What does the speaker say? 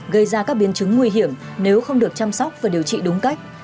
gây ra các biến chứng nguy hiểm nếu không được chăm sóc và điều trị đúng cách